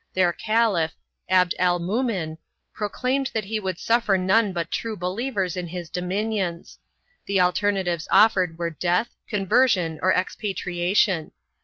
Their caliph, Abd al mumin, pro claimed that he would suffer none but true believers in his dominions; the alternatives offered were death, conversion or expatriation.